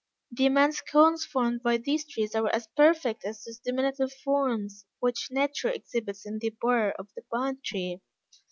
The immense cones formed by these trees are as perfect as those diminutive forms which nature exhibits in the bur of the pine tree.